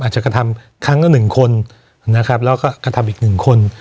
อาจจะกระทำครั้งละหนึ่งคนนะครับแล้วก็กระทำอีกหนึ่งคน